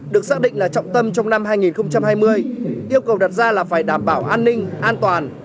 được xác định là trọng tâm trong năm hai nghìn hai mươi yêu cầu đặt ra là phải đảm bảo an ninh an toàn